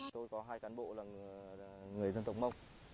tôi có hai cán bộ là người dân tộc mông